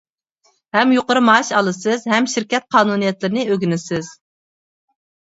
ھەم يۇقىرى مائاش ئالىسىز، ھەم شىركەت قانۇنىيەتلىرىنى ئۆگىنىسىز.